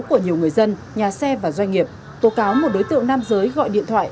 của nhiều người dân nhà xe và doanh nghiệp tố cáo một đối tượng nam giới gọi điện thoại